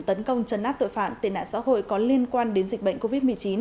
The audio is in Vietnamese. tấn công trấn áp tội phạm tệ nạn xã hội có liên quan đến dịch bệnh covid một mươi chín